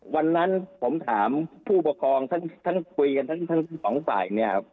วันนั้นผมถามผู้ปกครองทั้งท่านสองอีก๒ฝ่าย